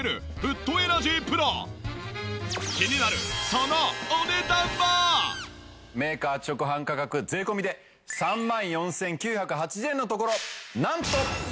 これはメーカー直販価格税込で３万４９８０円のところなんと。